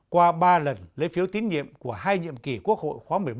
qua ba lần lấy phiếu tín nhiệm của hai nhiệm kỳ quốc hội khóa một mươi ba